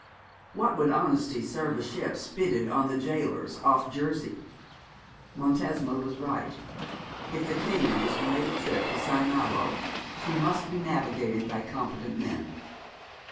What would honesty serve a ship spitted on the Jailors off Jersey? Montesma was right. If the Cayman was to make a trip to St. Malo she must be navigated by competent men.